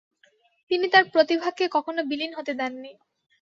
তিনি তার প্রতিভাকে কখনো বিলীন হতে দেননি।